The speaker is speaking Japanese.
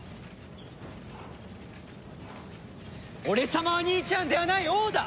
俺様は兄ちゃんではない王だ！